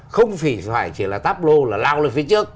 không phải chỉ là táp lô là lao lên phía trước